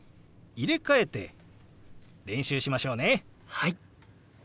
はい！